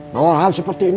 bahwa hal seperti ini